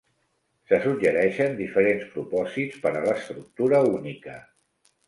Se suggereixen diferents propòsits per a l'estructura única.